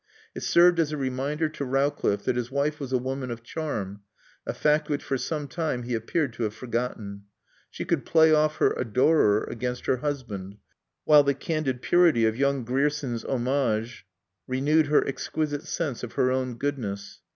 It served as a reminder to Rowcliffe that his wife was a woman of charm, a fact which for some time he appeared to have forgotten. She could play off her adorer against her husband, while the candid purity of young Grierson's homage renewed her exquisite sense of her own goodness.